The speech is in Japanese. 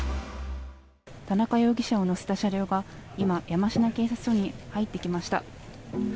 田中容疑者を乗せた車両が今山科警察署に入っていきました。